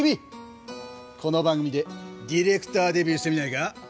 この番組でディレクターデビューしてみないか？